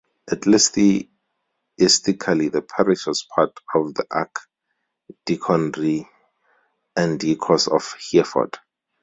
Ecclesiastically the parish was part of the Archdeaconry and Diocese of Hereford.